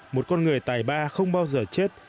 một con người tài ba không bao giờ chết